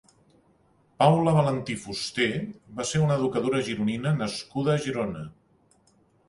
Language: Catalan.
Paula Valentí Fuster va ser una educadora gironina nascuda a Girona.